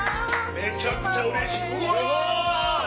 めちゃくちゃうれしい！